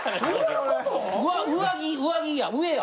うわ上着や上や。